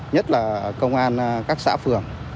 nhất là công an các xã phường